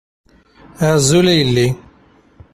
Azul a yelli.